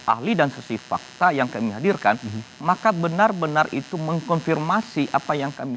ahli dan sesi fakta yang kami hadirkan maka benar benar itu mengkonfirmasi apa yang kami